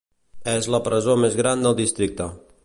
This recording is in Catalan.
És la presó més gran del districte.